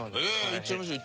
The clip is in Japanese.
いっちゃいましょう。